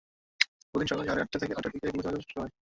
প্রতিদিন সকাল সাড়ে আটটা থেকে নয়টার দিকে এগুলোর চলাচল শুরু হয়।